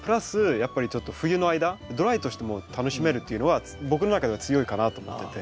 やっぱりちょっと冬の間ドライとしても楽しめるっていうのは僕の中では強いかなと思ってて。